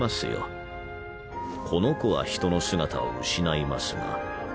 この子は人の姿を失いますが。